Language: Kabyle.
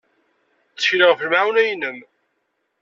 Ttekleɣ ɣef lemɛawna-nnem.